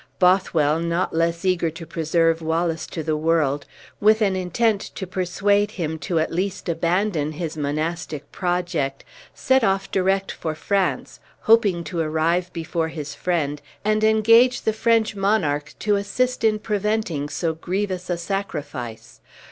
Bothwell not less eager to preserve Wallace to the world, with an intent to persuade him to at least abandon his monastic project, set off direct for France, hoping to arrive before his friend, and engage the French monarch to assist in preventing so grievous a sacrifice.